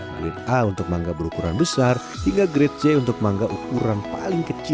grade a untuk mangga berukuran besar hingga grade c untuk mangga ukuran paling kecil